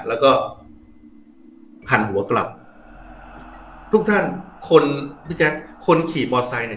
แล้วก็หันหัวกลับทุกท่านคนพี่แจ๊คคนขี่มอไซค์เนี่ย